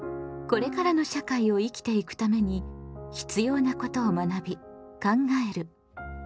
これからの社会を生きていくために必要なことを学び考える「公共」。